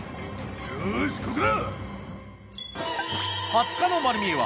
よしここだ！